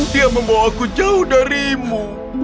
dia membawa aku jauh darimu